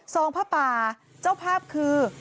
ผ้าป่าเจ้าภาพคือ